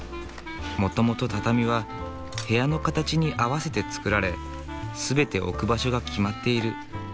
もともと畳は部屋の形に合わせて作られ全て置く場所が決まっている。